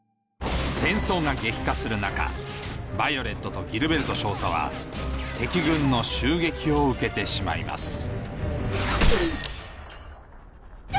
戦争が激化する中ヴァイオレットとギルベルト少佐は敵軍の襲撃を受けてしまいます少佐！